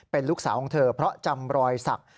เป็นลูกสาวของเธอเพราะจำรอยสัก